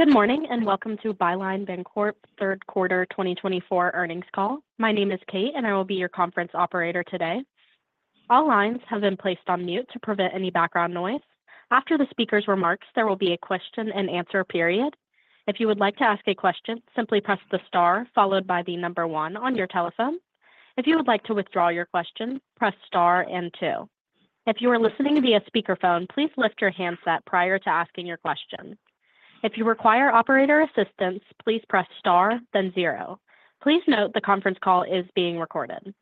Good morning, and welcome to Byline Bancorp third quarter twenty twenty-four earnings call. My name is Kate, and I will be your conference operator today. All lines have been placed on mute to prevent any background noise. After the speaker's remarks, there will be a question and answer period. If you would like to ask a question, simply press the * followed by the number 1 on your telephone. If you would like to withdraw your question, press * and 2. If you are listening via speakerphone, please lift your handset prior to asking your question. If you require operator assistance, please press *, then 0. Please note the conference call is being recorded.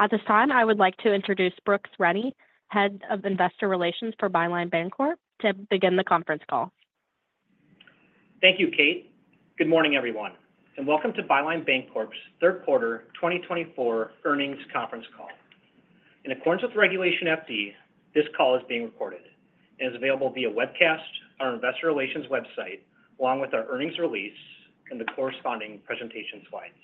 At this time, I would like to introduce Brooks Rennie, Head of Investor Relations for Byline Bancorp, to begin the conference call. Thank you, Kate. Good morning, everyone, and welcome to Byline Bancorp's third quarter twenty twenty-four earnings conference call. In accordance with Regulation FD, this call is being recorded and is available via webcast on our investor relations website, along with our earnings release and the corresponding presentation slides.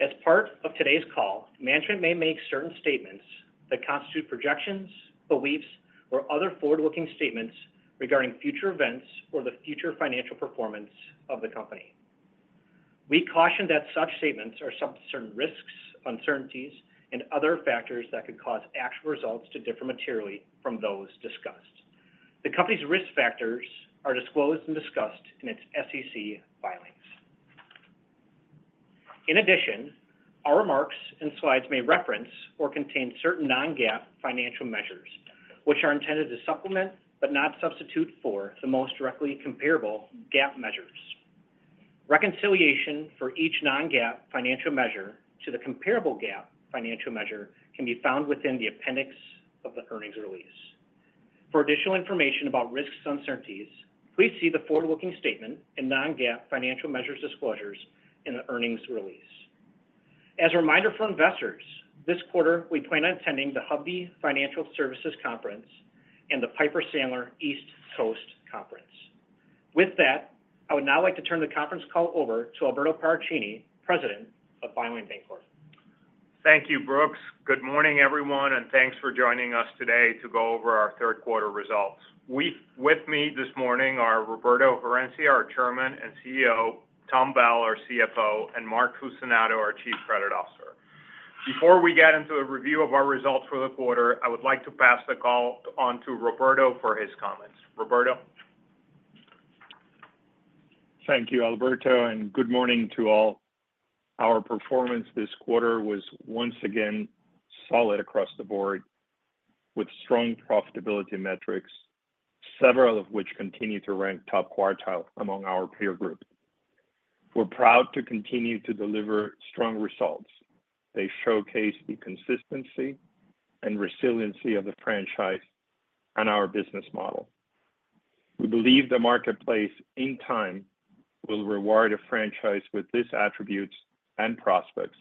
As part of today's call, management may make certain statements that constitute projections, beliefs, or other forward-looking statements regarding future events or the future financial performance of the company. We caution that such statements are subject to certain risks, uncertainties, and other factors that could cause actual results to differ materially from those discussed. The company's risk factors are disclosed and discussed in its SEC filings. In addition, our remarks and slides may reference or contain certain non-GAAP financial measures, which are intended to supplement, but not substitute for, the most directly comparable GAAP measures. Reconciliation for each non-GAAP financial measure to the comparable GAAP financial measure can be found within the appendix of the earnings release. For additional information about risks and uncertainties, please see the forward-looking statement and non-GAAP financial measures disclosures in the earnings release. As a reminder for investors, this quarter we plan on attending the Hovde Financial Services Conference and the Piper Sandler East Coast Conference. With that, I would now like to turn the conference call over to Alberto Paracchini, President of Byline Bancorp. Thank you, Brooks. Good morning, everyone, and thanks for joining us today to go over our third quarter results. With me this morning are Roberto Herencia, our Chairman and CEO, Tom Bell, our CFO, and Mark Cusinato, our Chief Credit Officer. Before we get into a review of our results for the quarter, I would like to pass the call on to Roberto for his comments. Roberto? Thank you, Alberto, and good morning to all. Our performance this quarter was once again solid across the board, with strong profitability metrics, several of which continue to rank top quartile among our peer group. We're proud to continue to deliver strong results. They showcase the consistency and resiliency of the franchise and our business model. We believe the marketplace, in time, will reward a franchise with this attributes and prospects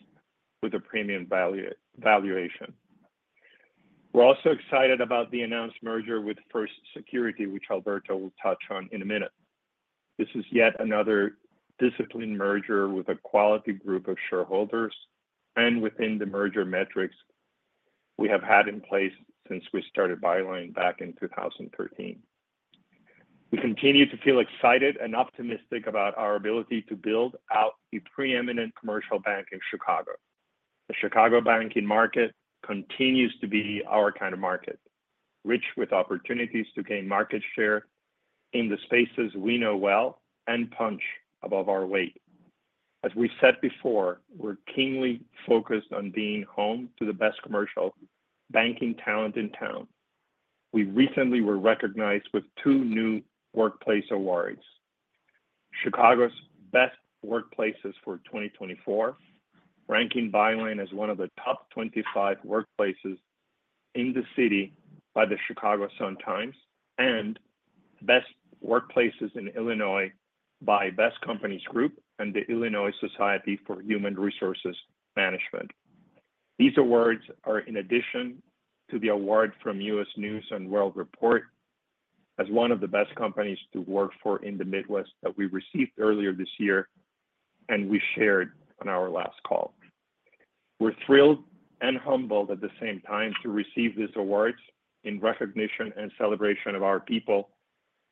with a premium value - valuation. We're also excited about the announced merger with First Security, which Alberto will touch on in a minute. This is yet another disciplined merger with a quality group of shareholders and within the merger metrics we have had in place since we started Byline back in two thousand and thirteen. We continue to feel excited and optimistic about our ability to build out the preeminent commercial bank in Chicago. The Chicago banking market continues to be our kind of market, rich with opportunities to gain market share in the spaces we know well and punch above our weight. As we said before, we're keenly focused on being home to the best commercial banking talent in town. We recently were recognized with two new workplace awards: Chicago's Best Workplaces for twenty twenty-four, ranking Byline as one of the top twenty-five workplaces in the city by the Chicago Sun-Times, and Best Workplaces in Illinois by Best Companies Group and the Illinois Society for Human Resources Management. These awards are in addition to the award from U.S. News & World Report as one of the best companies to work for in the Midwest that we received earlier this year, and we shared on our last call. We're thrilled and humbled at the same time to receive these awards in recognition and celebration of our people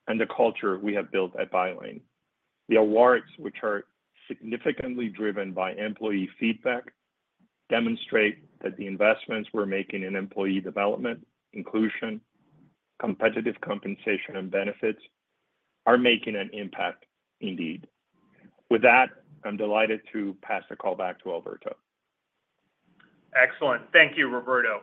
and the culture we have built at Byline. The awards, which are significantly driven by employee feedback, demonstrate that the investments we're making in employee development, inclusion, competitive compensation, and benefits are making an impact indeed. With that, I'm delighted to pass the call back to Alberto. Excellent. Thank you, Roberto.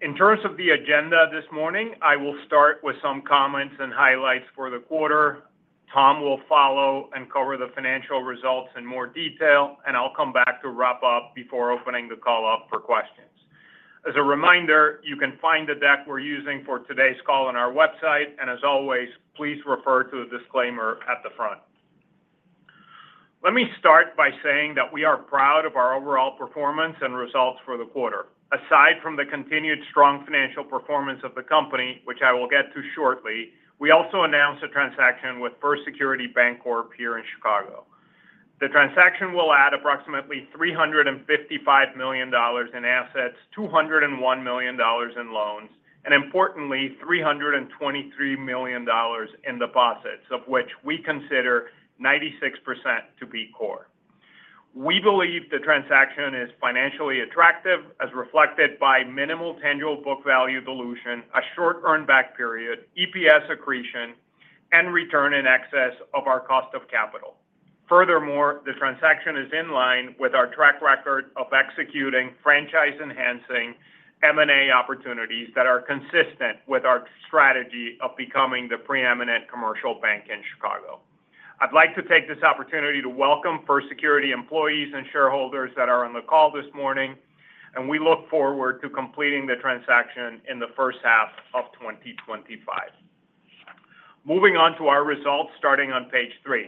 In terms of the agenda this morning, I will start with some comments and highlights for the quarter. Tom will follow and cover the financial results in more detail, and I'll come back to wrap up before opening the call up for questions. As a reminder, you can find the deck we're using for today's call on our website, and as always, please refer to the disclaimer at the front. Let me start by saying that we are proud of our overall performance and results for the quarter. Aside from the continued strong financial performance of the company, which I will get to shortly, we also announced a transaction with First Security Bancorp here in Chicago.... The transaction will add approximately $355 million in assets, $201 million in loans, and importantly, $323 million in deposits, of which we consider 96% to be core. We believe the transaction is financially attractive, as reflected by minimal tangible book value dilution, a short earn-back period, EPS accretion, and return in excess of our cost of capital. Furthermore, the transaction is in line with our track record of executing franchise-enhancing M&A opportunities that are consistent with our strategy of becoming the preeminent commercial bank in Chicago. I'd like to take this opportunity to welcome First Security employees and shareholders that are on the call this morning, and we look forward to completing the transaction in the first half of 2025. Moving on to our results, starting on page three.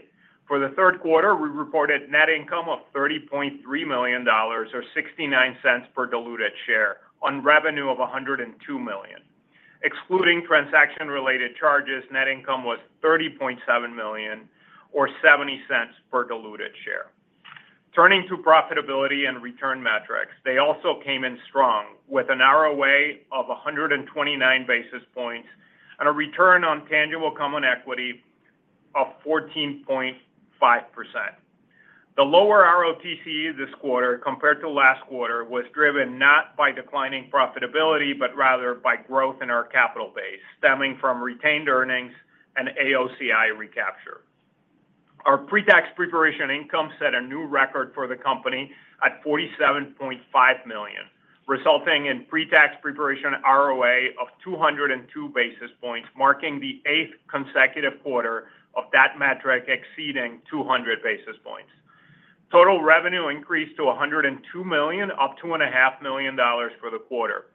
For the third quarter, we reported net income of $30.3 million or $0.69 per diluted share on revenue of $102 million. Excluding transaction-related charges, net income was $30.7 million or $0.70 per diluted share. Turning to profitability and return metrics, they also came in strong with an ROA of 129 basis points and a return on tangible common equity of 14.5%. The lower ROTCE this quarter compared to last quarter was driven not by declining profitability, but rather by growth in our capital base, stemming from retained earnings and AOCI recapture. Our pre-tax pre-provision income set a new record for the company at $47.5 million, resulting in pre-tax pre-provision ROA of 202 basis points, marking the eighth consecutive quarter of that metric exceeding 200 basis points. Total revenue increased to $102 million, up $2.5 million for the quarter.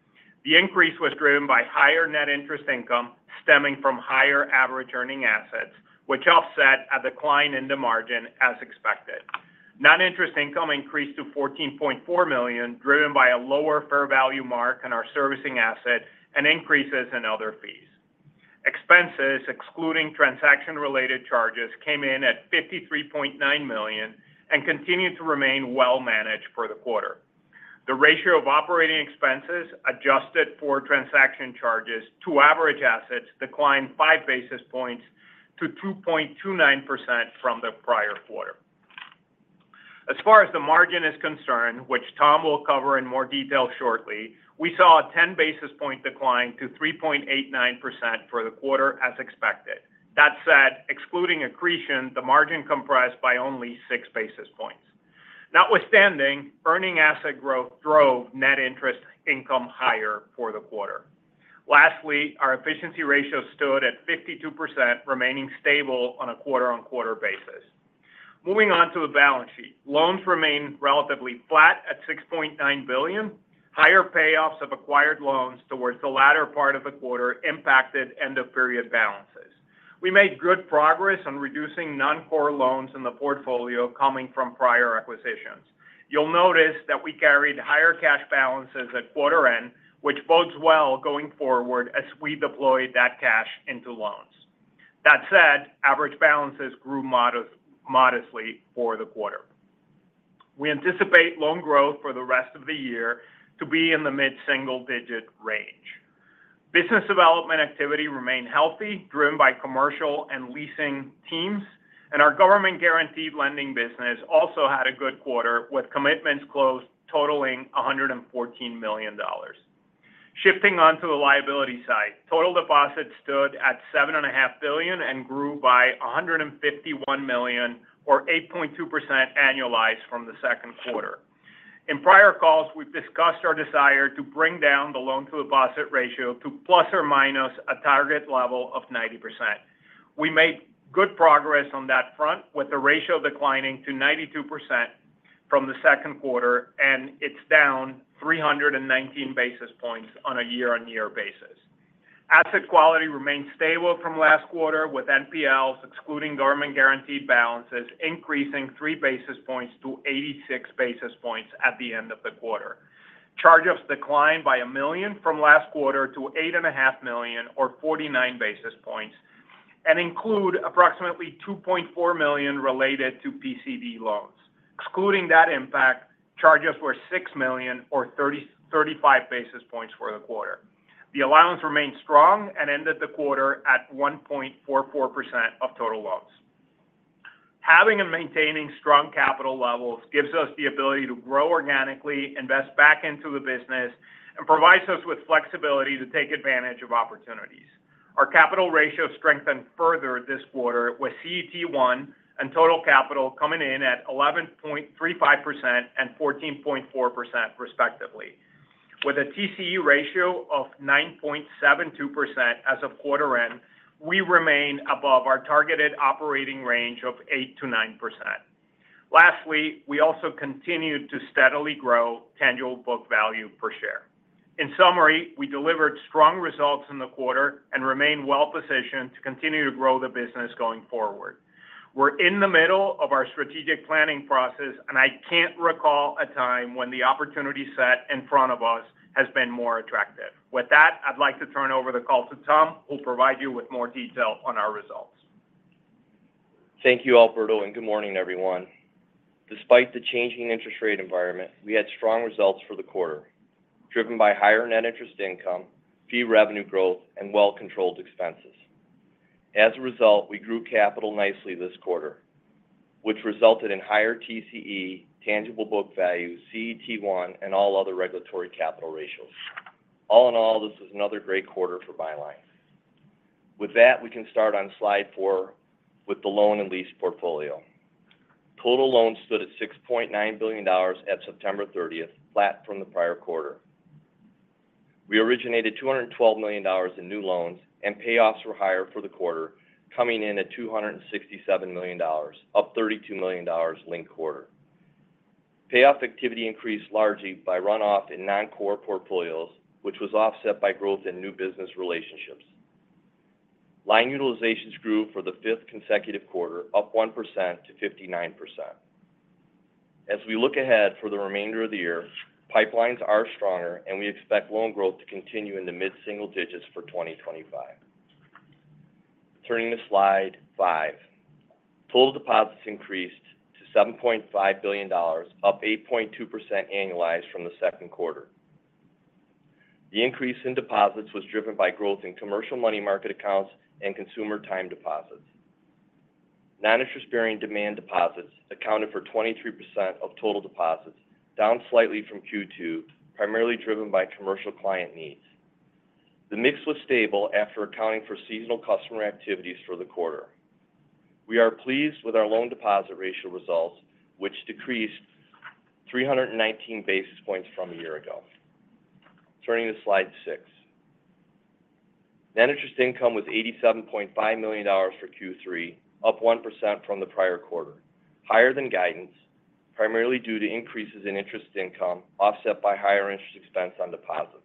The increase was driven by higher net interest income, stemming from higher average earning assets, which offset a decline in the margin as expected. Net interest income increased to $14.4 million, driven by a lower fair value mark in our servicing asset and increases in other fees. Expenses, excluding transaction-related charges, came in at $53.9 million and continued to remain well managed for the quarter. The ratio of operating expenses adjusted for transaction charges to average assets declined five basis points to 2.29% from the prior quarter. As far as the margin is concerned, which Tom will cover in more detail shortly, we saw a ten basis point decline to 3.89% for the quarter as expected. That said, excluding accretion, the margin compressed by only six basis points. Notwithstanding, earning asset growth drove net interest income higher for the quarter. Lastly, our efficiency ratio stood at 52%, remaining stable on a quarter-on-quarter basis. Moving on to the balance sheet. Loans remain relatively flat at $6.9 billion. Higher payoffs of acquired loans towards the latter part of the quarter impacted end of period balances. We made good progress on reducing non-core loans in the portfolio coming from prior acquisitions. You'll notice that we carried higher cash balances at quarter end, which bodes well going forward as we deploy that cash into loans. That said, average balances grew modestly for the quarter. We anticipate loan growth for the rest of the year to be in the mid-single digit range. Business development activity remained healthy, driven by commercial and leasing teams, and our government-guaranteed lending business also had a good quarter, with commitments closed totaling $114 million. Shifting on to the liability side, total deposits stood at $7.5 billion and grew by $151 million or 8.2% annualized from the second quarter. In prior calls, we've discussed our desire to bring down the loan to deposit ratio to plus or minus a target level of 90%. We made good progress on that front, with the ratio declining to 92% from the second quarter, and it's down 319 basis points on a year-on-year basis. Asset quality remains stable from last quarter, with NPLs, excluding government guaranteed balances, increasing 3 basis points to 86 basis points at the end of the quarter. Charge-offs declined by $1 million from last quarter to $8.5 million or 49 basis points, and include approximately $2.4 million related to PCD loans. Excluding that impact, charge-offs were $6 million or 35 basis points for the quarter. The allowance remained strong and ended the quarter at 1.44% of total loans. Having and maintaining strong capital levels gives us the ability to grow organically, invest back into the business, and provides us with flexibility to take advantage of opportunities. Our capital ratio strengthened further this quarter, with CET1 and total capital coming in at 11.35% and 14.4% respectively. With a TCE ratio of 9.72% as of quarter end, we remain above our targeted operating range of 8%-9%. Lastly, we also continued to steadily grow tangible book value per share. In summary, we delivered strong results in the quarter and remain well positioned to continue to grow the business going forward. We're in the middle of our strategic planning process, and I can't recall a time when the opportunity set in front of us has been more attractive. With that, I'd like to turn over the call to Tom, who will provide you with more detail on our results. Thank you, Alberto, and good morning, everyone. Despite the changing interest rate environment, we had strong results for the quarter, driven by higher net interest income, fee revenue growth, and well-controlled expenses. As a result, we grew capital nicely this quarter, which resulted in higher TCE, tangible book value, CET1, and all other regulatory capital ratios. All in all, this is another great quarter for Byline. With that, we can start on slide four with the loan and lease portfolio. Total loans stood at $6.9 billion at September 30th, flat from the prior quarter. We originated $212 million in new loans, and payoffs were higher for the quarter, coming in at $267 million, up $32 million linked quarter. Payoff activity increased largely by runoff in non-core portfolios, which was offset by growth in new business relationships. Line utilizations grew for the fifth consecutive quarter, up 1% to 59%. As we look ahead for the remainder of the year, pipelines are stronger, and we expect loan growth to continue in the mid-single digits for 2025. Turning to slide five. Total deposits increased to $7.5 billion, up 8.2% annualized from the second quarter. The increase in deposits was driven by growth in commercial money market accounts and consumer time deposits. Non-interest-bearing demand deposits accounted for 23% of total deposits, down slightly from Q2, primarily driven by commercial client needs. The mix was stable after accounting for seasonal customer activities for the quarter. We are pleased with our loan deposit ratio results, which decreased three hundred and nineteen basis points from a year ago. Turning to slide six. Net interest income was $87.5 million for Q3, up 1% from the prior quarter, higher than guidance, primarily due to increases in interest income, offset by higher interest expense on deposits.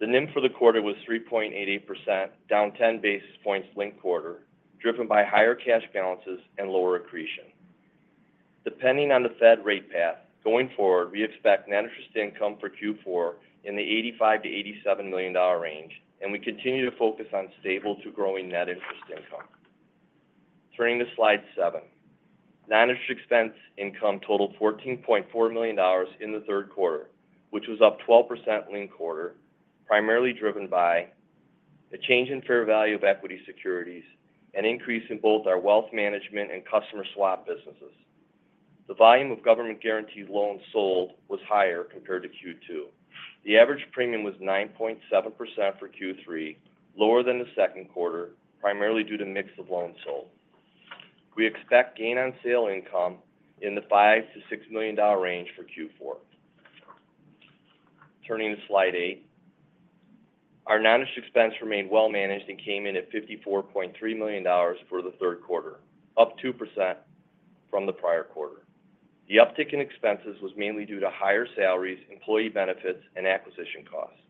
The NIM for the quarter was 3.88%, down 10 basis points linked quarter, driven by higher cash balances and lower accretion. Depending on the Fed rate path, going forward, we expect net interest income for Q4 in the $85 million-$87 million range, and we continue to focus on stable to growing net interest income. Turning to slide seven. Non-interest income totaled $14.4 million in the third quarter, which was up 12% linked quarter, primarily driven by the change in fair value of equity securities and increase in both our wealth management and customer swap businesses. The volume of government-guaranteed loans sold was higher compared to Q2. The average premium was 9.7% for Q3, lower than the second quarter, primarily due to mix of loans sold. We expect gain on sale income in the $5 million-$6 million range for Q4. Turning to slide 8. Our non-interest expense remained well managed and came in at $54.3 million for the third quarter, up 2% from the prior quarter. The uptick in expenses was mainly due to higher salaries, employee benefits, and acquisition costs.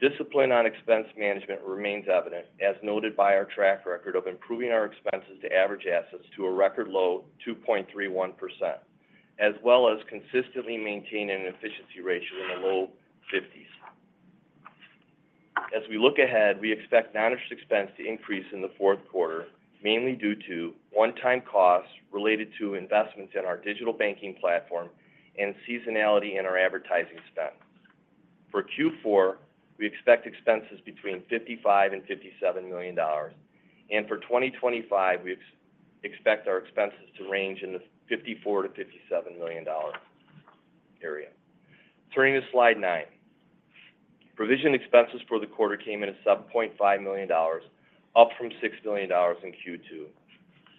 Discipline on expense management remains evident, as noted by our track record of improving our expenses to average assets to a record low 2.31%, as well as consistently maintaining an efficiency ratio in the low 50s%. As we look ahead, we expect non-interest expense to increase in the fourth quarter, mainly due to one-time costs related to investments in our digital banking platform and seasonality in our advertising spend. For Q4, we expect expenses between $55 million and $57 million. For 2025, we expect our expenses to range in the $54 million-$57 million area. Turning to slide nine. Provision expenses for the quarter came in at $7.5 million, up from $6 million in Q2,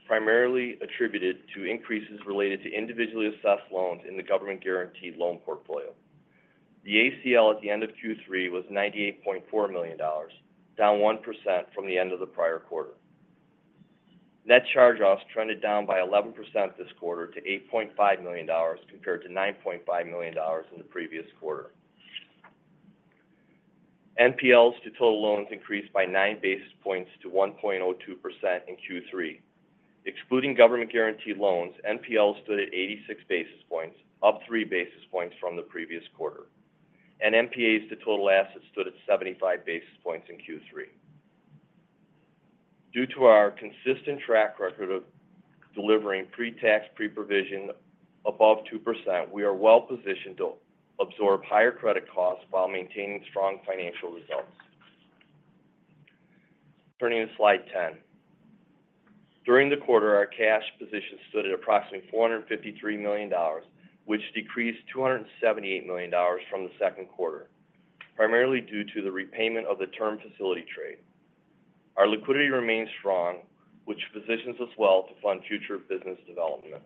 primarily attributed to increases related to individually assessed loans in the government-guaranteed loan portfolio. The ACL at the end of Q3 was $98.4 million, down 1% from the end of the prior quarter. Net charge-offs trended down by 11% this quarter to $8.5 million, compared to $9.5 million in the previous quarter. NPLs to total loans increased by nine basis points to 1.02% in Q3. Excluding government-guaranteed loans, NPLs stood at 86 basis points, up three basis points from the previous quarter, and NPAs to total assets stood at 75 basis points in Q3. Due to our consistent track record of delivering pre-tax, pre-provision above 2%, we are well positioned to absorb higher credit costs while maintaining strong financial results. Turning to slide 10. During the quarter, our cash position stood at approximately $453 million, which decreased $278 million from the second quarter, primarily due to the repayment of the BTFP. Our liquidity remains strong, which positions us well to fund future business development.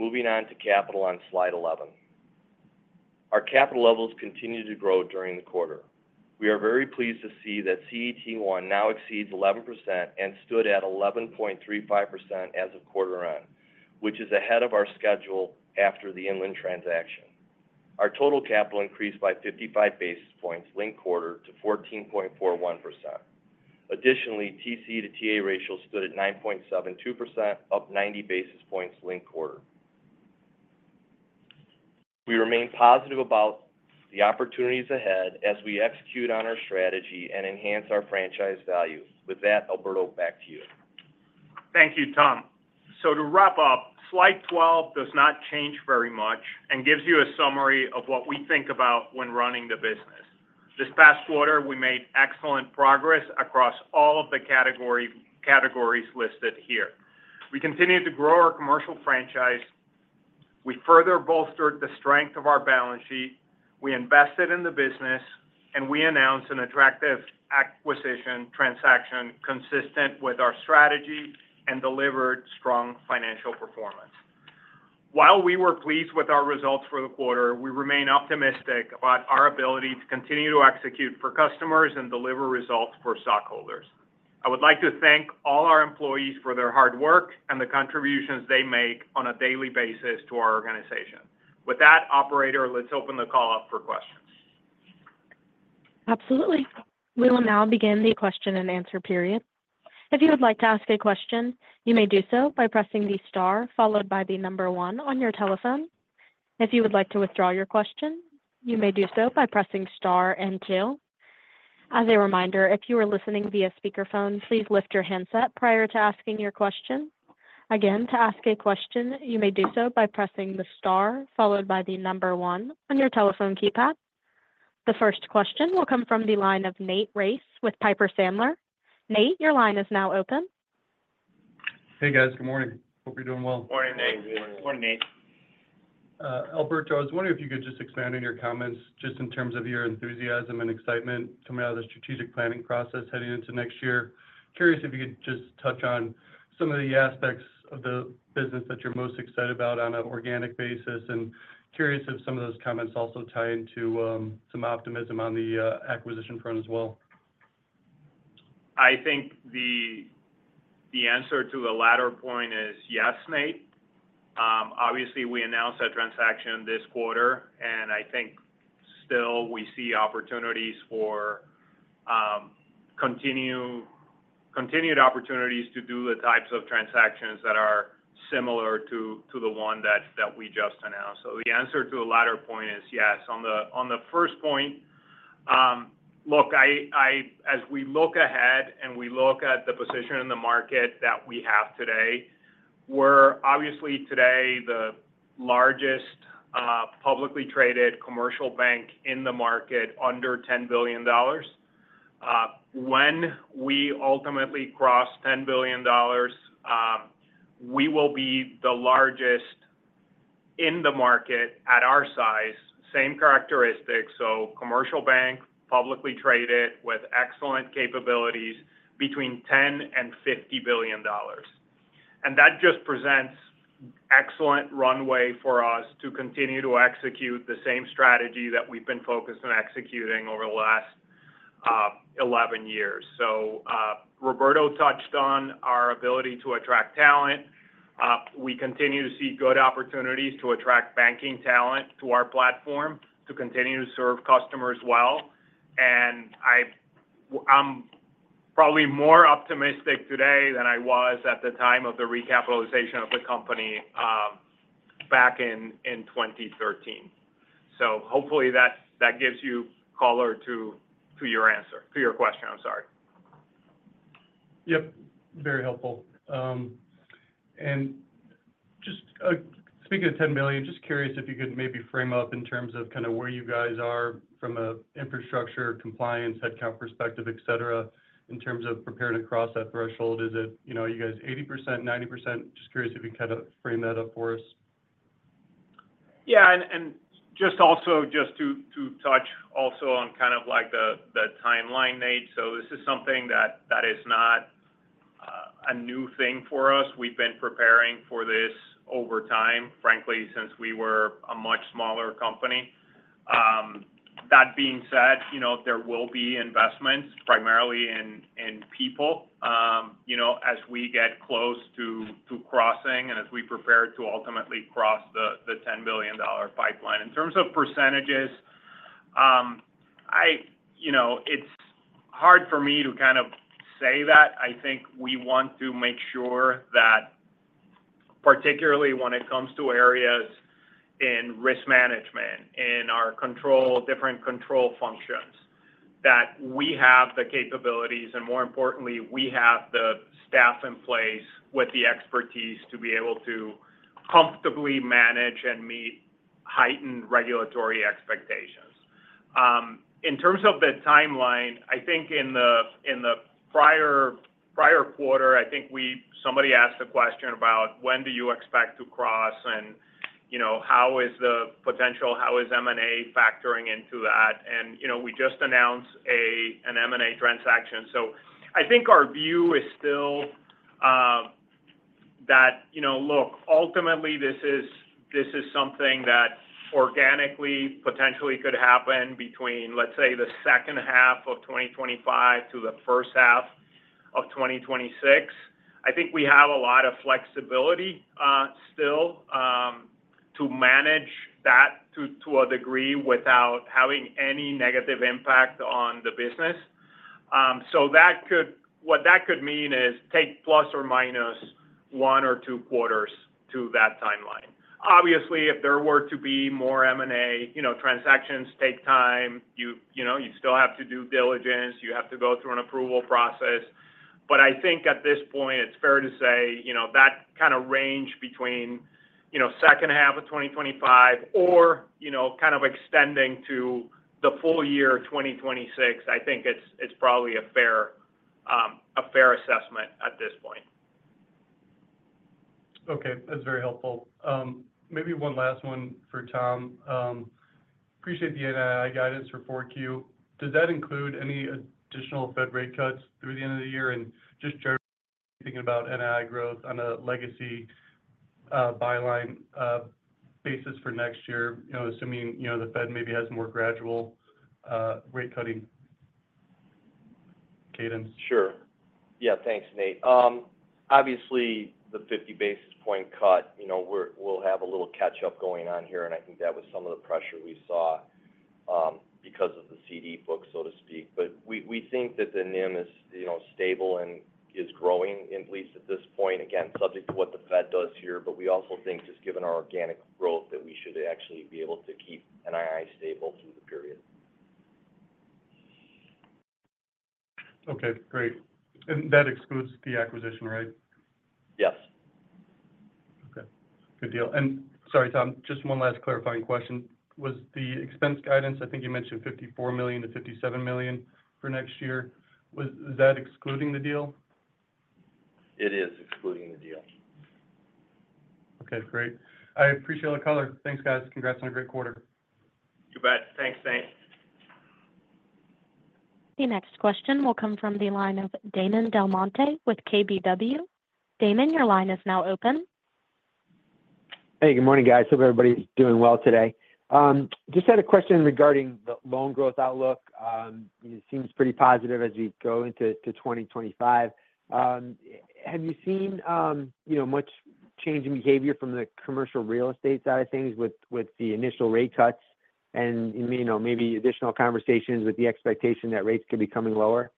Moving on to capital on slide 11. Our capital levels continued to grow during the quarter. We are very pleased to see that CET1 now exceeds 11% and stood at 11.35% as of quarter end, which is ahead of our schedule after the Inland transaction. Our total capital increased by 55 basis points linked quarter to 14.41%. Additionally, TC to TA ratio stood at 9.72%, up 90 basis points linked quarter. We remain positive about the opportunities ahead as we execute on our strategy and enhance our franchise value. With that, Alberto, back to you. Thank you, Tom. So to wrap up, slide twelve does not change very much and gives you a summary of what we think about when running the business. This past quarter, we made excellent progress across all of the category, categories listed here. We continued to grow our commercial franchise. We further bolstered the strength of our balance sheet, we invested in the business, and we announced an attractive acquisition transaction consistent with our strategy and delivered strong financial performance. While we were pleased with our results for the quarter, we remain optimistic about our ability to continue to execute for customers and deliver results for stockholders. I would like to thank all our employees for their hard work and the contributions they make on a daily basis to our organization. With that, operator, let's open the call up for questions. Absolutely. We will now begin the question and answer period. If you would like to ask a question, you may do so by pressing the * followed by the number 1 on your telephone. If you would like to withdraw your question, you may do so by pressing * and 2. As a reminder, if you are listening via speakerphone, please lift your handset prior to asking your question. Again, to ask a question, you may do so by pressing the star followed by the number one on your telephone keypad. The first question will come from the line of Nate Race with Piper Sandler. Nate, your line is now open. Hey, guys. Good morning. Hope you're doing well. Morning, Nate. Morning, Nate. Alberto, I was wondering if you could just expand on your comments, just in terms of your enthusiasm and excitement coming out of the strategic planning process heading into next year. Curious if you could just touch on some of the aspects of the business that you're most excited about on an organic basis, and curious if some of those comments also tie into, some optimism on the, acquisition front as well. I think the answer to the latter point is yes, Nate. Obviously, we announced that transaction this quarter, and I think still we see opportunities for continued opportunities to do the types of transactions that are similar to the one that we just announced. So the answer to the latter point is yes. On the first point, look, as we look ahead and we look at the position in the market that we have today, we're obviously today the largest publicly traded commercial bank in the market under $10 billion. When we ultimately cross $10 billion, we will be the largest in the market at our size. Same characteristics, so commercial bank, publicly traded with excellent capabilities between $10 billion and $50 billion. And that just presents excellent runway for us to continue to execute the same strategy that we've been focused on executing over the last eleven years. So, Roberto touched on our ability to attract talent. We continue to see good opportunities to attract banking talent to our platform, to continue to serve customers well. And I'm probably more optimistic today than I was at the time of the recapitalization of the company, back in twenty thirteen. So hopefully that gives you color to your answer to your question, I'm sorry. Yep, very helpful. And just, speaking of $10 billion, just curious if you could maybe frame up in terms of kind of where you guys are from a infrastructure compliance, headcount perspective, et cetera, in terms of preparing to cross that threshold. Is it, you know, you guys 80%, 90%? Just curious if you could kind of frame that up for us. Yeah, and just to touch also on kind of like the timeline, Nate. So this is something that is not a new thing for us. We've been preparing for this over time, frankly, since we were a much smaller company. That being said, you know, there will be investments, primarily in people, you know, as we get close to crossing and as we prepare to ultimately cross the $10 billion pipeline. In terms of percentages, you know, it's hard for me to kind of say that. I think we want to make sure that particularly when it comes to areas in risk management, in our control, different control functions, that we have the capabilities, and more importantly, we have the staff in place with the expertise to be able to comfortably manage and meet heightened regulatory expectations. In terms of the timeline, I think in the prior quarter, somebody asked a question about when do you expect to cross and, you know, how is the potential, how is M&A factoring into that? And you know, we just announced an M&A transaction. So I think our view is still, that, you know, look, ultimately, this is something that organically, potentially could happen between, let's say, the second half of twenty twenty-five to the first half of 2026. I think we have a lot of flexibility still to manage that to a degree without having any negative impact on the business. So that could - what that could mean is take plus or minus one or two quarters to that timeline. Obviously, if there were to be more M&A, you know, transactions take time, you know, you still have to do diligence, you have to go through an approval process. But I think at this point, it's fair to say, you know, that kind of range between, you know, second half of 2025 or, you know, kind of extending to the full year of 2026, I think it's probably a fair assessment at this point. Okay, that's very helpful. Maybe one last one for Tom. Appreciate the NII guidance for 4Q. Does that include any additional Fed rate cuts through the end of the year? And just generally, thinking about NII growth on a legacy Byline basis for next year, you know, assuming, you know, the Fed maybe has a more gradual rate cutting cadence. Sure. Yeah. Thanks, Nate. Obviously, the fifty basis point cut, you know, we'll have a little catch-up going on here, and I think that was some of the pressure we saw because of the CD book, so to speak. But we think that the NIM is, you know, stable and is growing, at least at this point, again, subject to what the Fed does here. But we also think, just given our organic growth, that we should actually be able to keep NII stable through the period. Okay, great. And that excludes the acquisition, right? Yes. Okay. Good deal. And sorry, Tom, just one last clarifying question: Was the expense guidance, I think you mentioned $54 million-$57 million for next year, was is that excluding the deal? It is excluding the deal. Okay, great. I appreciate all the color. Thanks, guys. Congrats on a great quarter. You bet. Thanks, Nate. The next question will come from the line of Damon Del Monte with KBW. Damon, your line is now open. Hey, good morning, guys. Hope everybody's doing well today. Just had a question regarding the loan growth outlook. It seems pretty positive as we go into twenty twenty-five. Have you seen, you know, much change in behavior from the commercial real estate side of things with the initial rate cuts and, you know, maybe additional conversations with the expectation that rates could be coming lower?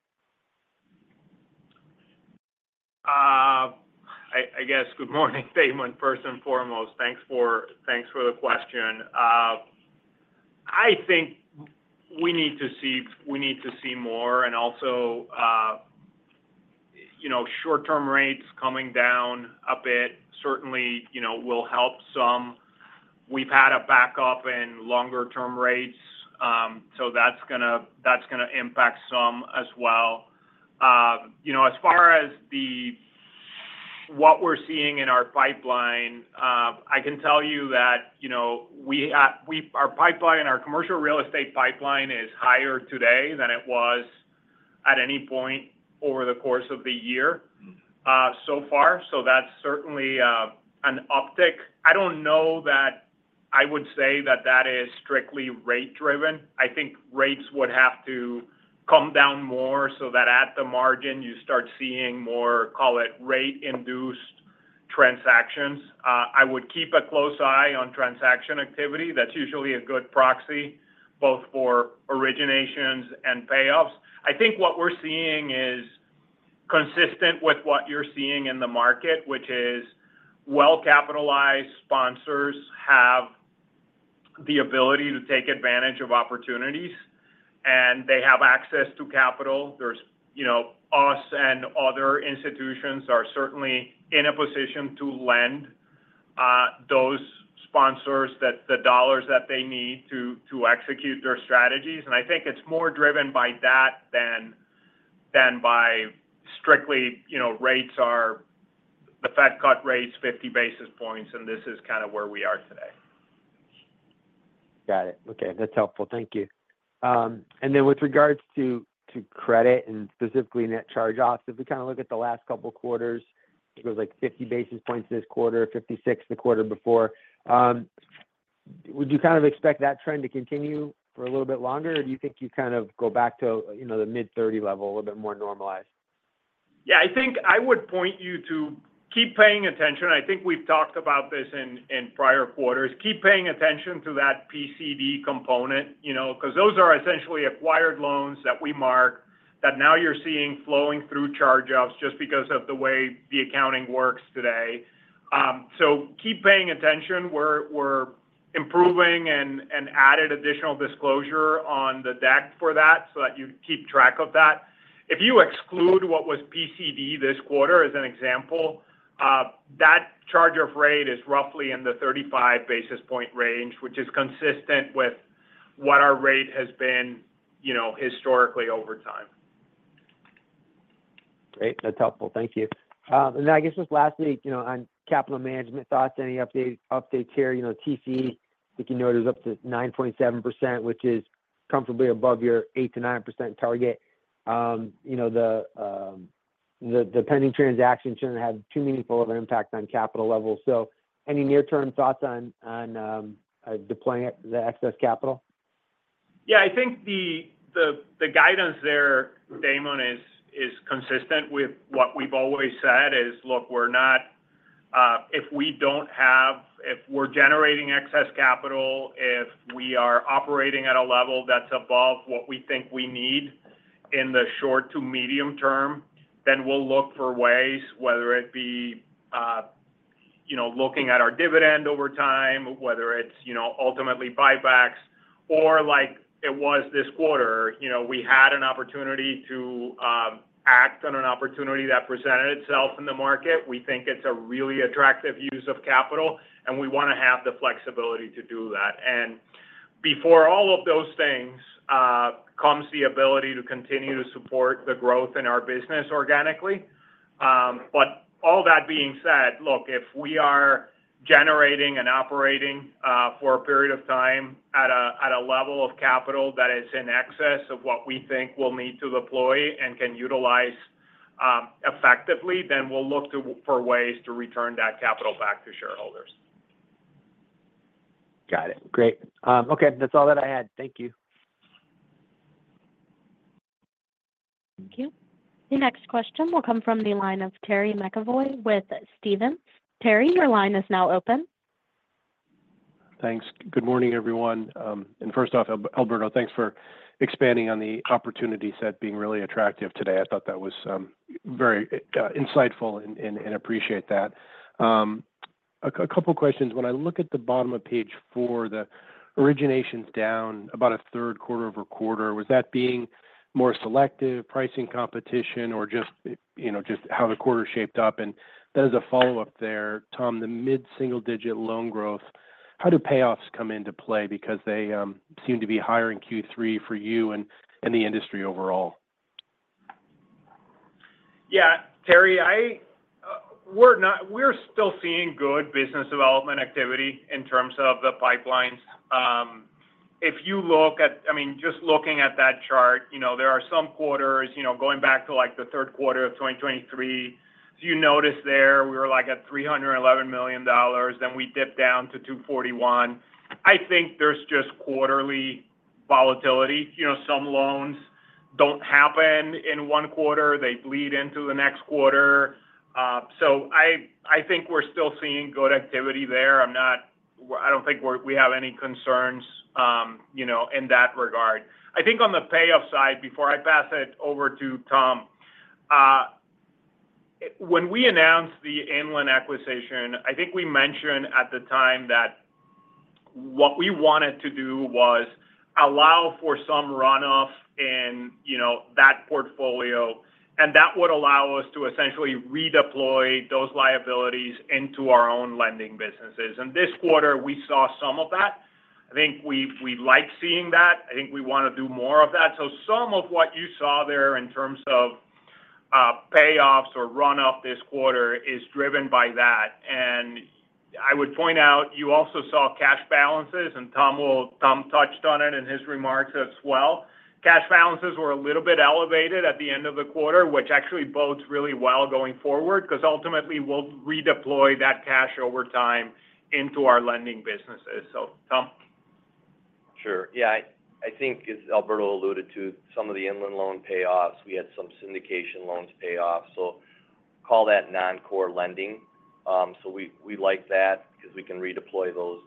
I guess good morning, Damon, first and foremost. Thanks for the question. I think we need to see more. And also, you know, short-term rates coming down a bit, certainly, you know, will help some. We've had a backup in longer-term rates, so that's gonna impact some as well. You know, as far as what we're seeing in our pipeline, I can tell you that, you know, our pipeline, our commercial real estate pipeline is higher today than it was at any point over the course of the year, so far. So that's certainly an uptick. I don't know that I would say that is strictly rate-driven. I think rates would have to come down more so that at the margin, you start seeing more, call it, rate-induced transactions. I would keep a close eye on transaction activity. That's usually a good proxy, both for originations and payoffs. I think what we're seeing is consistent with what you're seeing in the market, which is well-capitalized sponsors have the ability to take advantage of opportunities, and they have access to capital. There's, you know, us and other institutions are certainly in a position to lend those sponsors the dollars that they need to execute their strategies. And I think it's more driven by that than by strictly, you know, rates. The Fed cut rates 50 basis points, and this is kind of where we are today. Got it. Okay, that's helpful. Thank you. And then with regards to credit and specifically net charge-offs, if we kind of look at the last couple of quarters, it was like fifty basis points this quarter, fifty-six the quarter before, would you kind of expect that trend to continue for a little bit longer? Or do you think you kind of go back to, you know, the mid thirty level, a little bit more normalized? Yeah, I think I would point you to keep paying attention. I think we've talked about this in prior quarters. Keep paying attention to that PCD component, you know, because those are essentially acquired loans that we mark, that now you're seeing flowing through charge-offs just because of the way the accounting works today. So keep paying attention. We're improving and added additional disclosure on the deck for that so that you keep track of that. If you exclude what was PCD this quarter, as an example, that charge-off rate is roughly in the 35 basis points range, which is consistent with what our rate has been, you know, historically over time. Great. That's helpful. Thank you. And then I guess just lastly, you know, on capital management thoughts, any updates here? You know, TCE. You know, it is up to 9.7%, which is comfortably above your 8%-9% target. You know, the pending transaction shouldn't have too meaningful of an impact on capital levels. So any near-term thoughts on deploying the excess capital? Yeah, I think the guidance there, Damon, is consistent with what we've always said is, look, if we're generating excess capital, if we are operating at a level that's above what we think we need in the short to medium term, then we'll look for ways, whether it be, you know, looking at our dividend over time, whether it's, you know, ultimately buybacks, or like it was this quarter. You know, we had an opportunity to act on an opportunity that presented itself in the market. We think it's a really attractive use of capital, and we want to have the flexibility to do that. And before all of those things comes the ability to continue to support the growth in our business organically. But all that being said, look, if we are generating and operating for a period of time at a level of capital that is in excess of what we think we'll need to deploy and can utilize effectively, then we'll look for ways to return that capital back to shareholders. Got it. Great. Okay. That's all that I had. Thank you. Thank you. The next question will come from the line of Terry McEvoy with Stephens. Terry, your line is now open. Thanks. Good morning, everyone, and first off, Alberto, thanks for expanding on the opportunity set being really attractive today. I thought that was very insightful and appreciate that. A couple questions. When I look at the bottom of page four, the origination's down about a third quarter-over-quarter. Was that being more selective, pricing, competition or just, you know, just how the quarter shaped up? And then as a follow-up there, Tom, the mid-single-digit loan growth, how do payoffs come into play? Because they seem to be higher in Q3 for you and the industry overall. Yeah, Terry, we're still seeing good business development activity in terms of the pipelines. If you look at- I mean, just looking at that chart, you know, there are some quarters, you know, going back to, like, the third quarter of 2023. Do you notice there, we were, like, at $311 million, then we dipped down to $241. I think there's just quarterly volatility. You know, some loans don't happen in one quarter. They bleed into the next quarter. So I, I think we're still seeing good activity there. I'm not- I don't think we're, we have any concerns, you know, in that regard. I think on the payoff side, before I pass it over to Tom, when we announced the Inland acquisition, I think we mentioned at the time that what we wanted to do was allow for some runoff in, you know, that portfolio, and that would allow us to essentially redeploy those liabilities into our own lending businesses. And this quarter, we saw some of that. I think we like seeing that. I think we want to do more of that. So some of what you saw there in terms of payoffs or runoff this quarter is driven by that. And I would point out, you also saw cash balances, and Tom touched on it in his remarks as well. Cash balances were a little bit elevated at the end of the quarter, which actually bodes really well going forward, because ultimately, we'll redeploy that cash over time into our lending businesses. So, Tom? Sure. Yeah, I think as Alberto alluded to some of the Inland loan payoffs, we had some syndication loans payoff, so call that non-core lending. So we like that because we can redeploy those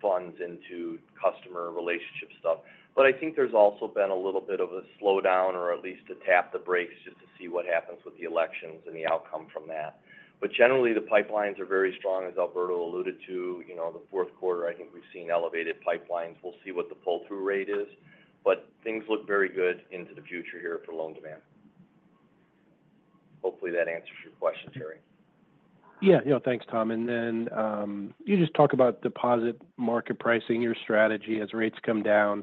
funds into customer relationship stuff. But I think there's also been a little bit of a slowdown or at least to tap the brakes just to see what happens with the elections and the outcome from that. But generally, the pipelines are very strong, as Alberto alluded to. You know, the fourth quarter, I think we've seen elevated pipelines. We'll see what the pull-through rate is, but things look very good into the future here for loan demand. Hopefully, that answers your question, Terry. Yeah. Yeah. Thanks, Tom. And then you just talk about deposit market pricing, your strategy as rates come down,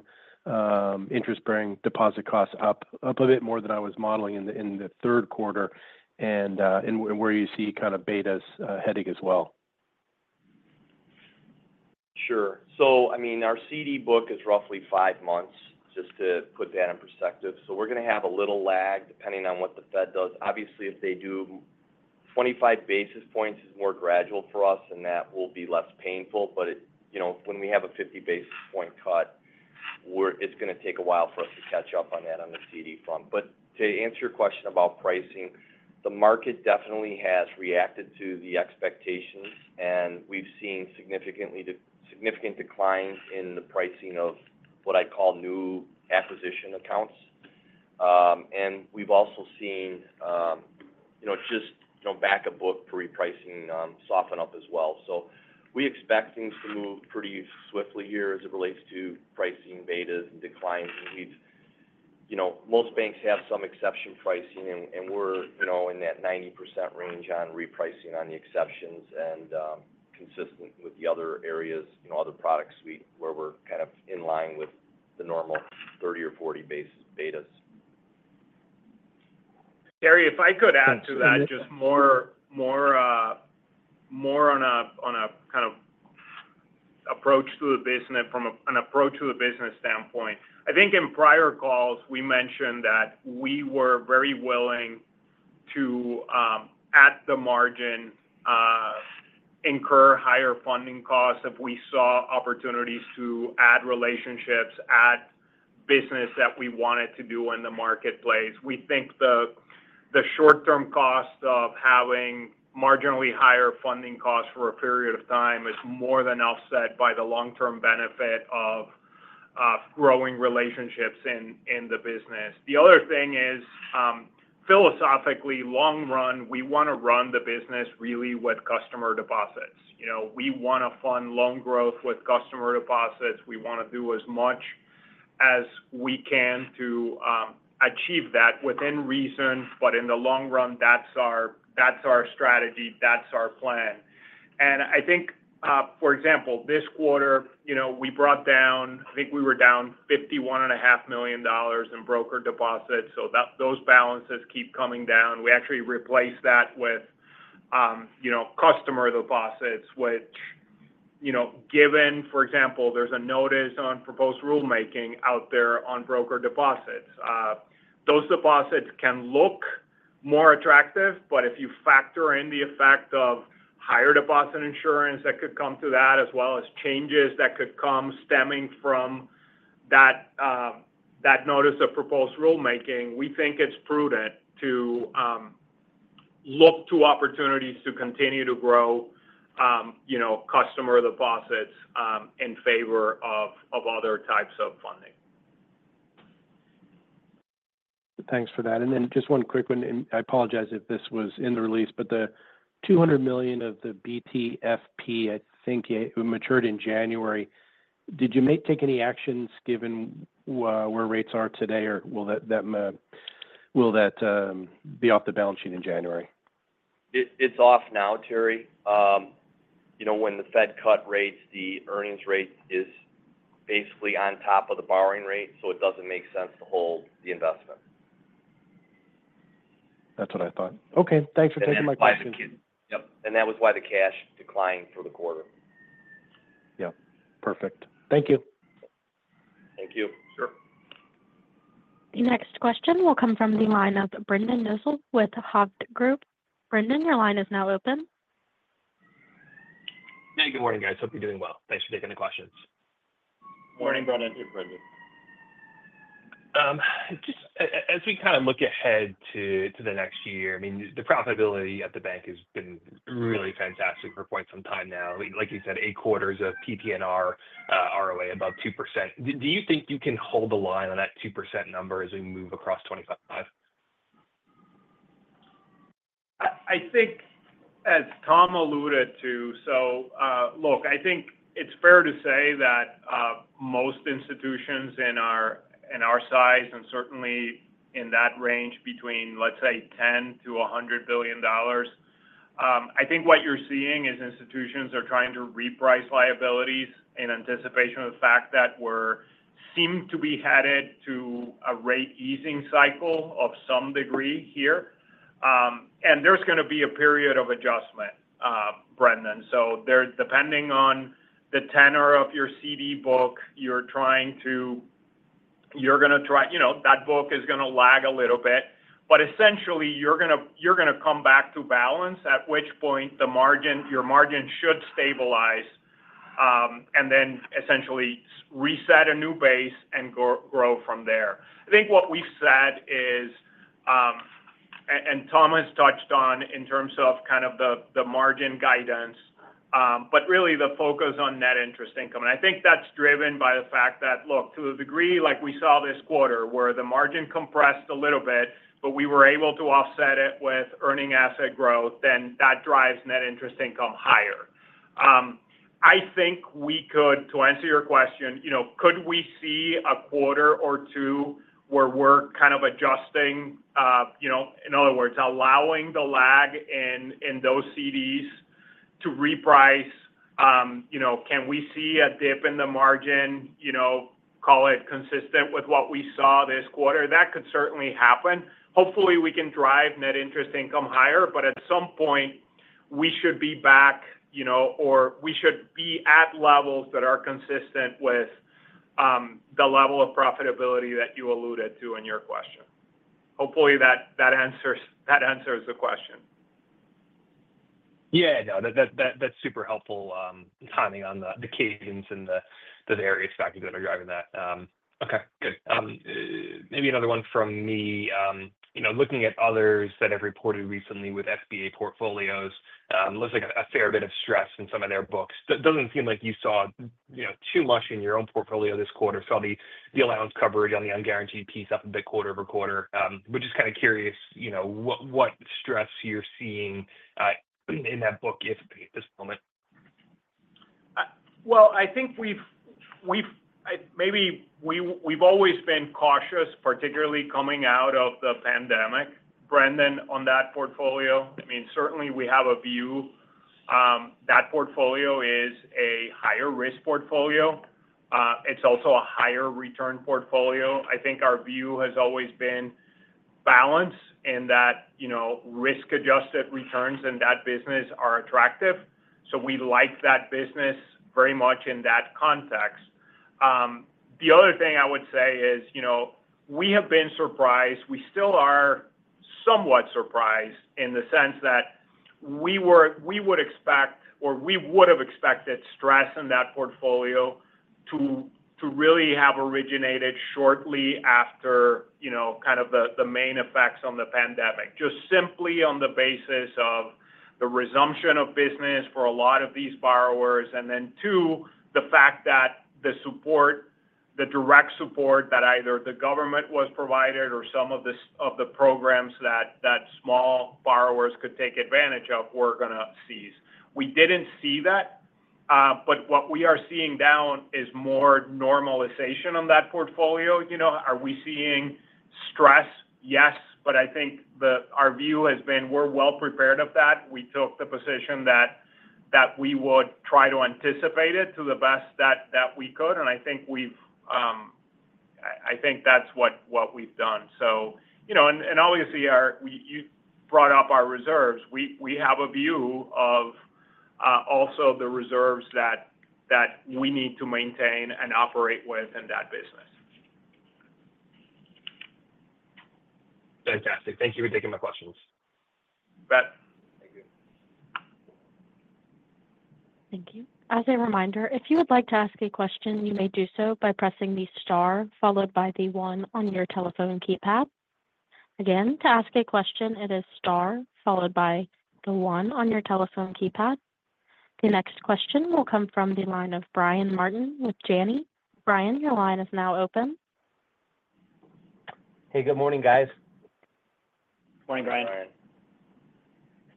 interest bearing deposit costs up a bit more than I was modeling in the third quarter, and where you see kind of betas heading as well. Sure. So, I mean, our CD book is roughly five months, just to put that in perspective. So we're going to have a little lag, depending on what the Fed does. Obviously, if they do twenty-five basis points is more gradual for us, and that will be less painful. But it-- you know, when we have a fifty basis point cut, we're-- it's going to take a while for us to catch up on that on the CD front. But to answer your question about pricing, the market definitely has reacted to the expectations, and we've seen significant declines in the pricing of what I call new acquisition accounts. And we've also seen, you know, just, you know, back a book repricing soften up as well. So we expect things to move pretty swiftly here as it relates to pricing, betas, and declines. You know, most banks have some exception pricing, and we're, you know, in that 90% range on repricing on the exceptions and, consistent with the other areas, you know, other products where we're kind of in line with the normal 30 or 40 basis betas. Terry, if I could add to that- Sure... just more on a kind of approach to the business, from an approach to a business standpoint. I think in prior calls, we mentioned that we were very willing to at the margin incur higher funding costs if we saw opportunities to add relationships, add business that we wanted to do in the marketplace. We think the short-term cost of having marginally higher funding costs for a period of time is more than offset by the long-term benefit of growing relationships in the business. The other thing is, philosophically, long run, we want to run the business really with customer deposits. You know, we want to fund loan growth with customer deposits. We want to do as much as we can to achieve that within reason. But in the long run, that's our, that's our strategy, that's our plan. And I think, for example, this quarter, you know, we brought down. I think we were down $51.5 million in broker deposits, so that. Those balances keep coming down. We actually replaced that with, you know, customer deposits, which, you know, given, for example, there's a notice of proposed rulemaking out there on broker deposits. Those deposits can look more attractive, but if you factor in the effect of higher deposit insurance that could come to that, as well as changes that could come stemming from that, that notice of proposed rulemaking, we think it's prudent to look to opportunities to continue to grow, you know, customer deposits, in favor of, of other types of funding. Thanks for that. And then just one quick one, and I apologize if this was in the release, but the $200 million of the BTFP, I think, it matured in January. Did you take any actions given where rates are today, or will that be off the balance sheet in January? It's off now, Terry. You know, when the Fed cut rates, the earnings rate is basically on top of the borrowing rate, so it doesn't make sense to hold the investment. That's what I thought. Okay, thanks for taking my question. Yep. And that was why the cash declined through the quarter. Yep, perfect. Thank you. Thank you. Sure. The next question will come from the line of Brendan Nosal with Hovde Group. Brendan, your line is now open. Hey, good morning, guys. Hope you're doing well. Thanks for taking the questions. Morning, Brendan. Hey, Brendan. Just as we kind of look ahead to the next year, I mean, the profitability at the bank has been really fantastic for quite some time now. Like you said, eight quarters of PPNR, ROA above 2%. Do you think you can hold the line on that 2% number as we move across 2025? I think as Tom alluded to, so look, I think it's fair to say that most institutions in our size and certainly in that range between, let's say, $10 billion -$100 billion, I think what you're seeing is institutions are trying to reprice liabilities in anticipation of the fact that we seem to be headed to a rate easing cycle of some degree here. And there's going to be a period of adjustment, Brendan. Depending on the tenor of your CD book, you know, that book is going to lag a little bit. But essentially, you're going to come back to balance, at which point the margin, your margin should stabilize, and then essentially reset a new base and grow from there. I think what we've said is, and Tom has touched on in terms of kind of the margin guidance, but really the focus on net interest income. I think that's driven by the fact that, look, to a degree, like we saw this quarter, where the margin compressed a little bit, but we were able to offset it with earning asset growth, then that drives net interest income higher. I think we could, to answer your question, you know, could we see a quarter or two where we're kind of adjusting, you know, in other words, allowing the lag in those CDs to reprice? You know, can we see a dip in the margin, you know, call it consistent with what we saw this quarter? That could certainly happen. Hopefully, we can drive net interest income higher, but at some point, we should be back, you know, or we should be at levels that are consistent with the level of profitability that you alluded to in your question. Hopefully, that answers the question. Yeah, no, that, that's super helpful, timing on the occasions and the various factors that are driving that. Okay, good. Maybe another one from me. You know, looking at others that have reported recently with SBA portfolios, it looks like a fair bit of stress in some of their books. But it doesn't seem like you saw, you know, too much in your own portfolio this quarter. Saw the allowance coverage on the unguaranteed piece up a bit quarter-over-quarter. We're just kind of curious, you know, what stress you're seeing in that book if at this moment. Well, I think we've always been cautious, particularly coming out of the pandemic, Brendan, on that portfolio. I mean, certainly we have a view. That portfolio is a higher risk portfolio. It's also a higher return portfolio. I think our view has always been balance, and that, you know, risk-adjusted returns in that business are attractive. So we like that business very much in that context. The other thing I would say is, you know, we have been surprised, we still are somewhat surprised in the sense that we would expect or we would have expected stress in that portfolio to really have originated shortly after, you know, kind of the main effects on the pandemic, just simply on the basis of the resumption of business for a lot of these borrowers. And then two, the fact that the support, the direct support that either the government was provided or some of the programs that small borrowers could take advantage of were going to cease. We didn't see that, but what we are seeing down is more normalization on that portfolio. You know, are we seeing stress? Yes, but I think our view has been we're well prepared of that. We took the position that we would try to anticipate it to the best that we could, and I think we've done that. So you know, and obviously you brought up our reserves. We have a view of also the reserves that we need to maintain and operate with in that business. Fantastic. Thank you for taking my questions. You bet. Thank you. Thank you. As a reminder, if you would like to ask a question, you may do so by pressing the * followed by the 1 on your telephone keypad. Again, to ask a question, it is * followed by the 1 on your telephone keypad. The next question will come from the line of Brian Martin with Janney. Brian, your line is now open. Hey, good morning, guys. Good morning, Brian. Good morning.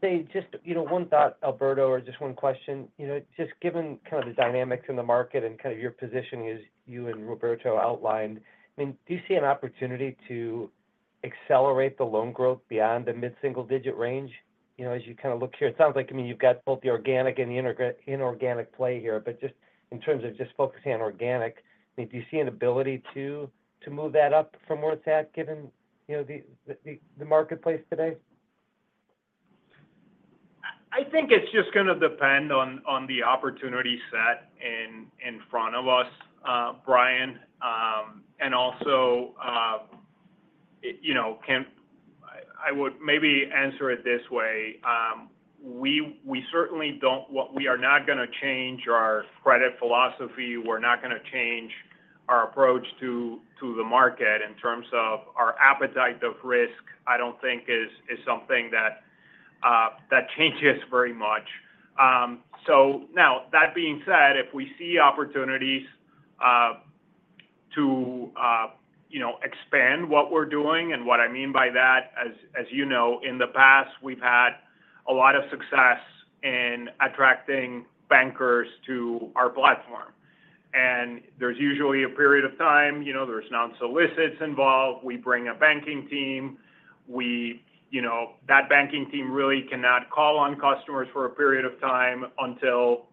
Hey, just, you know, one thought, Alberto, or just one question. You know, just given kind of the dynamics in the market and kind of your positioning as you and Roberto outlined, I mean, do you see an opportunity to accelerate the loan growth beyond the mid-single digit range? You know, as you kind of look here, it sounds like, I mean, you've got both the organic and the inorganic play here. But just in terms of just focusing on organic, do you see an ability to move that up from where it's at, given, you know, the marketplace today? I think it's just going to depend on the opportunity set in front of us, Brian. And also, you know, I would maybe answer it this way. We are not going to change our credit philosophy. We're not going to change our approach to the market in terms of our appetite of risk. I don't think it's something that changes very much. So now, that being said, if we see opportunities to, you know, expand what we're doing, and what I mean by that, as you know, in the past, we've had a lot of success in attracting bankers to our platform. And there's usually a period of time, you know, there's non-solicits involved. We bring a banking team. That banking team really cannot call on customers for a period of time until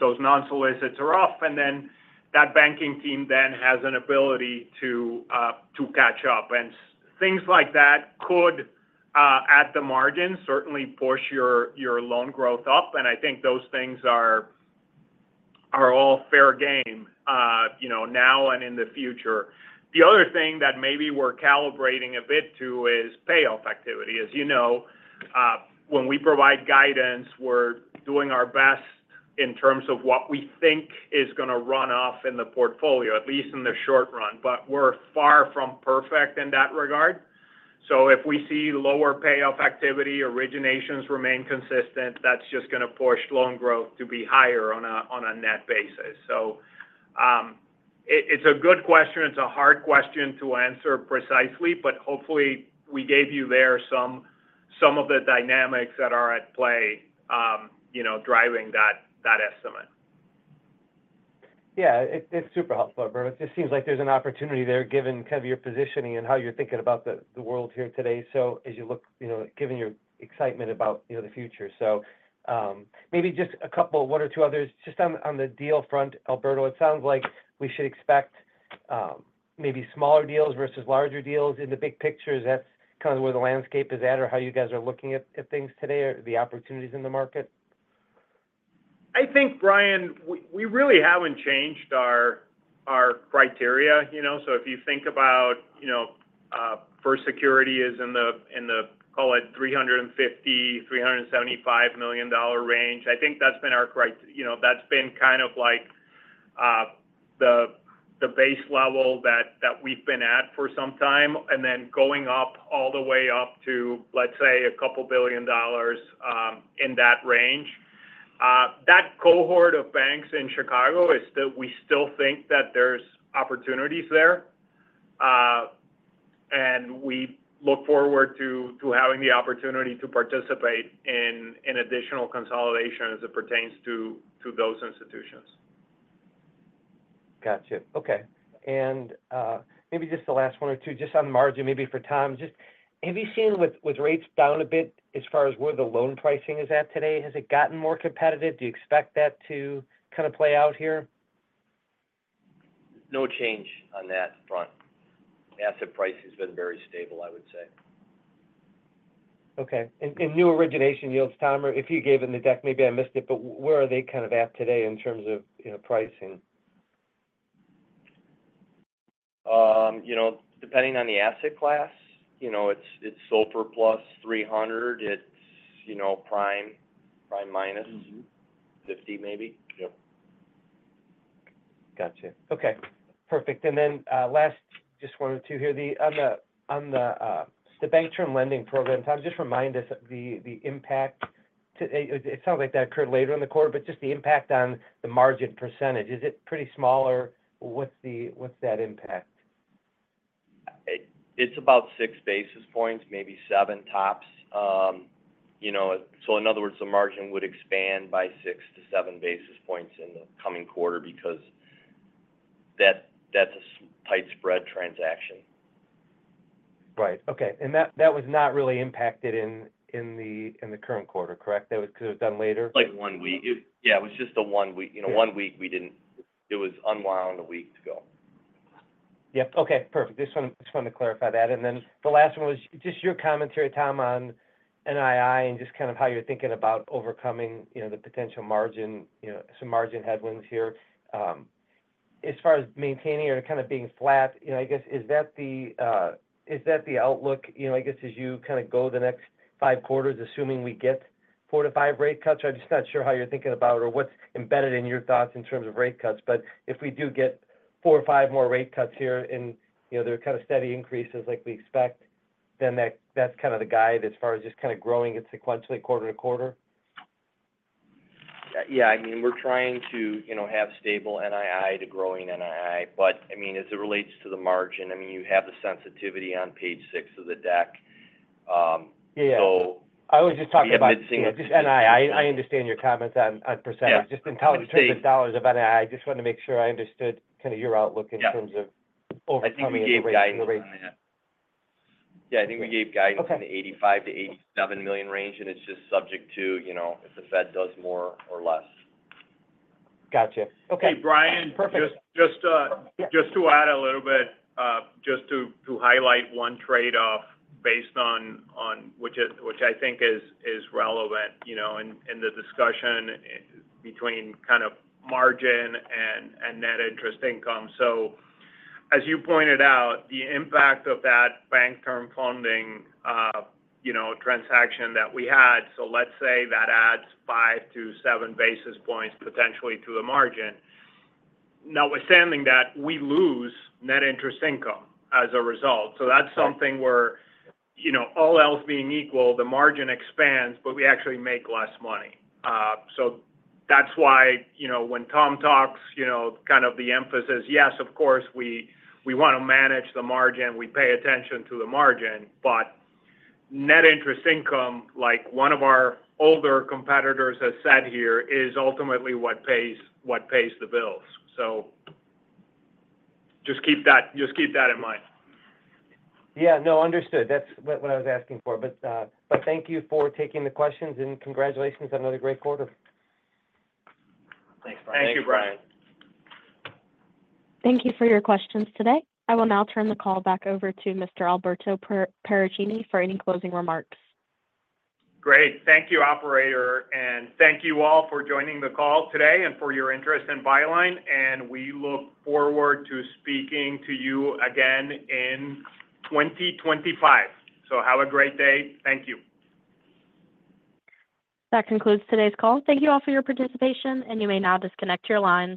those non-solicits are off, and then that banking team then has an ability to catch up. Things like that could at the margin certainly push your loan growth up. I think those things are all fair game, you know, now and in the future. The other thing that maybe we're calibrating a bit to is payoff activity. As you know, when we provide guidance, we're doing our best in terms of what we think is going to run off in the portfolio, at least in the short run, but we're far from perfect in that regard. If we see lower payoff activity, originations remain consistent, that's just going to push loan growth to be higher on a net basis. It's a good question. It's a hard question to answer precisely, but hopefully, we gave you there some of the dynamics that are at play, you know, driving that estimate. Yeah, it, it's super helpful, Alberto. It just seems like there's an opportunity there, given kind of your positioning and how you're thinking about the world here today. So as you look, you know, given your excitement about, you know, the future. So, maybe just a couple, one or two others. Just on the deal front, Alberto, it sounds like we should expect maybe smaller deals versus larger deals in the big picture. Is that kind of where the landscape is at, or how you guys are looking at things today or the opportunities in the market? I think, Brian, we really haven't changed our criteria, you know? So if you think about, you know, First Security is in the call it $350 million-$375 million range. I think that's been our criteria, you know, that's been kind of like the base level that we've been at for some time, and then going up all the way up to, let's say, a couple billion dollars in that range. That cohort of banks in Chicago is still. We still think that there's opportunities there. And we look forward to having the opportunity to participate in additional consolidation as it pertains to those institutions. Gotcha. Okay. And, maybe just the last one or two, just on the margin, maybe for Tom. Just have you seen with rates down a bit as far as where the loan pricing is at today, has it gotten more competitive? Do you expect that to kind of play out here? No change on that front. Asset price has been very stable, I would say. Okay. And, and new origination yields, Tom, or if you gave in the deck, maybe I missed it, but where are they kind of at today in terms of, you know, pricing? You know, depending on the asset class, you know, it's SOFR plus three hundred. It's, you know, prime minus- Mm-hmm. Fifty, maybe. Yep. Got you. Okay, perfect. And then, last, just wanted to hear the Bank Term Funding Program, Tom, just remind us of the impact to it. It sounds like that occurred later in the quarter, but just the impact on the margin percentage. Is it pretty small, or what's that impact? It's about six basis points, maybe seven tops. You know, so in other words, the margin would expand by six-seven basis points in the coming quarter because that's a tight spread transaction. Right. Okay. And that was not really impacted in the current quarter, correct? That was because it was done later? Like, one week. Yeah, it was just the one week. You know, one week we didn't... It was unwound a week ago. Yep. Okay, perfect. Just wanted to clarify that, and then the last one was just your commentary, Tom, on NII and just kind of how you're thinking about overcoming, you know, the potential margin, you know, some margin headwinds here. As far as maintaining or kind of being flat, you know, I guess, is that the outlook, you know, I guess, as you kind of go the next five quarters, assuming we get four to five rate cuts? I'm just not sure how you're thinking about or what's embedded in your thoughts in terms of rate cuts. But if we do get four or five more rate cuts here and, you know, they're kind of steady increases like we expect, then that's kind of the guide as far as just kind of growing it sequentially quarter-to-quarter. Yeah. I mean, we're trying to, you know, have stable NII to growing NII. But, I mean, as it relates to the margin, I mean, you have the sensitivity on page six of the deck. Yeah. I was just talking about- We have been seeing. Just NII. I understand your comments on percentage. Yeah. Just in terms of dollars of NII, I just wanted to make sure I understood kind of your outlook? Yeah In terms of overcoming the rate. Yeah, I think we gave guidance in the $85 million-$87 million range, and it's just subject to, you know, if the Fed does more or less. Gotcha. Okay. Hey, Brian. Perfect. Yeah. Just to add a little bit, just to highlight one trade-off based on which I think is relevant, you know, in the discussion between kind of margin and net interest income. So as you pointed out, the impact of that Bank Term Funding, you know, transaction that we had, so let's say that adds five to seven basis points potentially to the margin. Notwithstanding that, we lose net interest income as a result. So that's something where, you know, all else being equal, the margin expands, but we actually make less money. So that's why, you know, when Tom talks, you know, kind of the emphasis. Yes, of course, we want to manage the margin, we pay attention to the margin, but net interest income, like one of our older competitors has said here, is ultimately what pays, what pays the bills. So just keep that, just keep that in mind. Yeah. No, understood. That's what I was asking for. But, but thank you for taking the questions, and congratulations on another great quarter. Thanks, Brian. Thank you, Brian. Thank you for your questions today. I will now turn the call back over to Mr. Alberto Paracchini for any closing remarks. Great. Thank you, operator, and thank you all for joining the call today and for your interest in Byline, and we look forward to speaking to you again in twenty twenty-five. So have a great day. Thank you. That concludes today's call. Thank you all for your participation, and you may now disconnect your lines.